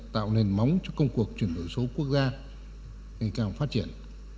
tạo nền móng cho công cuộc chuyển đổi số quốc gia hình cảm phát triển